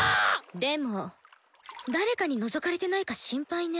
でも誰かにのぞかれてないか心配ね。